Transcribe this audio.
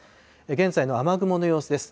現在の雨雲の様子です。